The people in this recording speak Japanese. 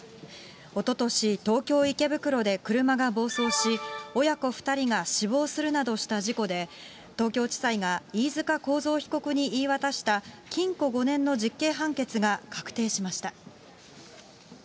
おととし、東京・池袋で車が暴走し、親子２人が死亡するなどした事故で、東京地裁が飯塚幸三被告に言い渡した禁錮５年の実刑判決が確定しました。